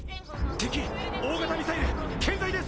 敵大型ミサイル健在です！